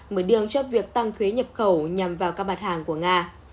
mở đường cho việc tăng thuế nhập khẩu nhằm vào các mặt hàng của nga